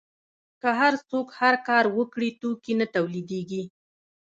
که هر څوک هر کار وکړي توکي نه تولیدیږي.